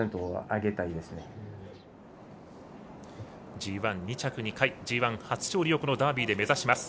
ＧＩ、２着２回、ＧＩ初勝利をこのダービーを目指します。